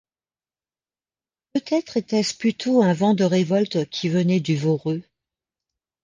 Peut-être était-ce plutôt un vent de révolte, qui venait du Voreux.